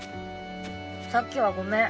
さっきはごめん。